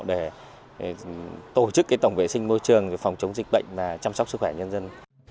để tổ chức tổng vệ sinh môi trường phòng chống dịch bệnh và chăm sóc sức khỏe nhân dân